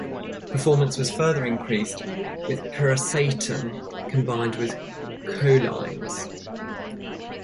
Performance was further increased with piracetam combined with cholines.